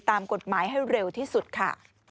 ตามกฎหมายให้เร็วที่สุดค่ะ